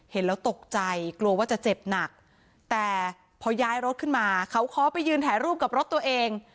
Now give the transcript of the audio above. เห็นแล้วตกใจกลัวว่าจะเจ็บหนักแต่พอย้ายรถขึ้นมาเขาขอไปยืนถ่ายรูปกับรถตัวเอง